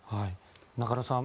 中野さん